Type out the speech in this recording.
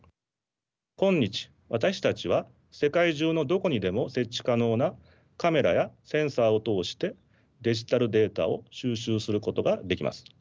今日私たちは世界中のどこにでも設置可能なカメラやセンサーを通してデジタルデータを収集することができます。